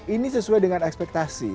ini sesuai dengan ekspektasi